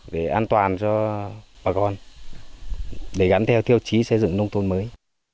để an toàn cho bà con để gắn theo tiêu chí xây dựng nông thôn mới